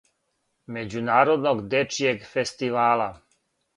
Међународног дечијег фестивала.